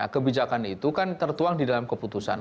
kebijakan itu kan tertuang di dalam keputusan